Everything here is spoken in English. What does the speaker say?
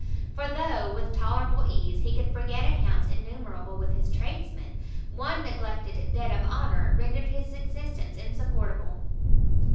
For though, with tolerable ease, he could forget accounts innumerable with his tradesmen, one neglected debt of honour rendered his existence insupportable!